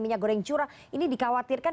minyak goreng curah ini dikhawatirkan